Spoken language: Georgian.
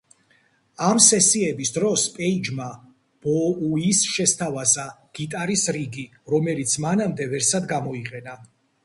ამ სესიების დროს პეიჯმა ბოუის შესთავაზა გიტარის რიგი, რომელიც მანამდე ვერსად გამოიყენა.